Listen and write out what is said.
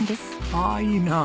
ああいいなあ。